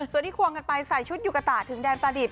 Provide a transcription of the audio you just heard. ส่วนที่ควงกันไปใส่ชุดยุกะตะถึงแดนประดิษฐ